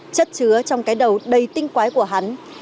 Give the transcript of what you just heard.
chất chứa trong cái đầu đầy tinh quái của hắn